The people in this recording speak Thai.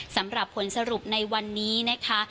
สำหรับผลสรุปในวันนี้นะคะ